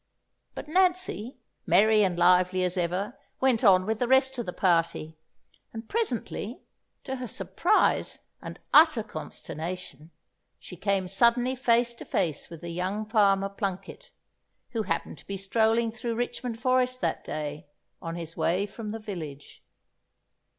But Nancy, merry and lively as ever, went on with the rest of the party; and presently, to her surprise and utter consternation, she came suddenly face to face with the young farmer, Plunket, who happened to be strolling through Richmond forest that day, on his way from the village.